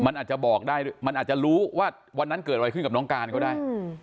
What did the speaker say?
มันอาจจะบอกได้มันอาจจะรู้ว่าวันนั้นเกิดอะไรขึ้นกับน้องการก็ได้